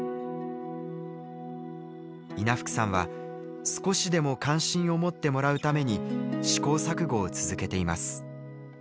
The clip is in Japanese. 稲福さんは少しでも関心を持ってもらうために試行錯誤を続けています。